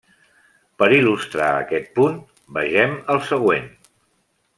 Per il·lustrar aquest punt, vegem el següent.